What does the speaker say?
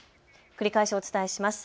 繰り返しお伝えします。